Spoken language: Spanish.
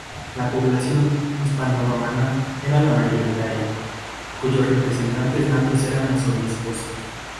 La población hispano-romana era la mayoritaria, cuyos representantes natos eran los obispos.